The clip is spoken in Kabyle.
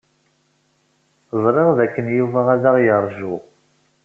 Ẓriɣ dakken Yuba ad aɣ-yeṛju.